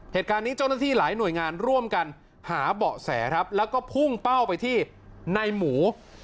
เหตุการณ์นี้เจ้าหน้าที่หลายหน่วยงานร่วมกันหาเบาะแสครับแล้วก็พุ่งเป้าไปที่ในหมู